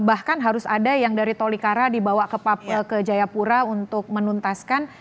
bahkan harus ada yang dari tolikara dibawa ke jayapura untuk menuntaskan